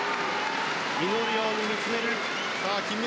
祈るように見つめる。